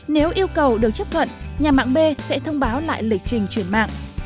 nếu yêu cầu được chấp thuận nhà mạng b sẽ thông báo lại lịch trình chuyển mạng